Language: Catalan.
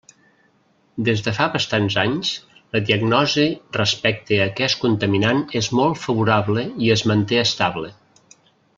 Des de fa bastants anys la diagnosi respecte a aquest contaminant és molt favorable i es manté estable.